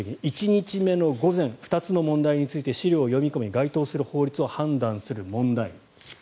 １日目の午前２つの問題について資料を読み込み該当する法律を判断する問題。